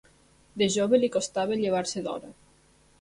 De jove, li costava llevar-se d'hora.